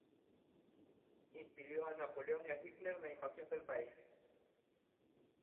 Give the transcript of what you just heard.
Impidió a Napoleón y a Hitler la invasión del país.